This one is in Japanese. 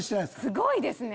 すごいですね！